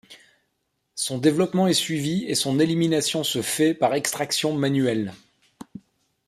Son développement est suivi et son élimination se fait par extraction manuelle.